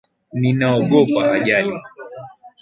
Ninaogopa ajali